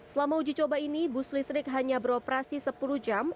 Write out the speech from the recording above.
selama uji coba ini bus listrik hanya beroperasi sepuluh jam